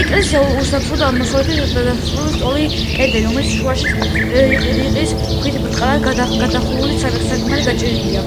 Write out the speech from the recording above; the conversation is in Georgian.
ეკლესია უაფსიდოა, აღმოსავლეთით დასრულებულია სწორი კედლით, რომლის შუაში რიყის ქვით ბრტყლად გადახურული სარკმელია გაჭრილი.